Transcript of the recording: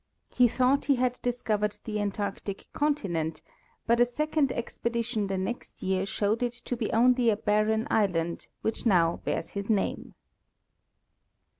He thought he had discovered the Ant arctic continent, but a second expedition the next year showed it to be only a barren island, which now bears his name.